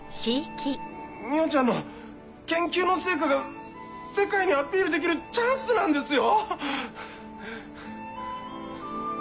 海音ちゃんの研究の成果が世界にアピールできるチャンスなんですよ？